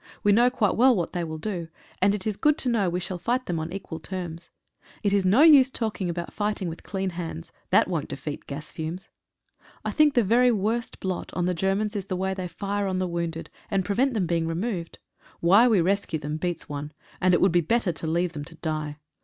We know quite well what they will do, and it is good to know we shall fight them on equal terms. It is no use talking about fighting with clean hands — that won't defeat gas fumes. I think the worst blot on the Germans is the way they fire on the wounded, and prevent them being removed. Why we rescue them beats one, and it would be better to leave them to die.